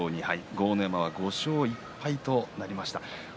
豪ノ山は５勝１敗となりました。